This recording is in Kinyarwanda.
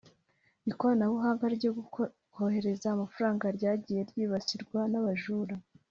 Ikoranabuhanga ryo kohereza amafaranga ryagiye ryibasirwa n’abajura